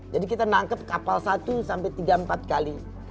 jadi kita nangkep kapal satu sampai tiga empat kali